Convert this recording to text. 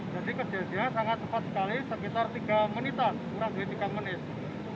jadi kejadian sangat cepat sekali sekitar tiga menitan kurang lebih tiga menit